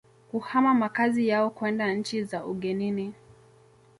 kuhama makazi yao kwenda nchi za ugenini